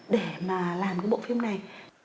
để mà làm cái bộ phim này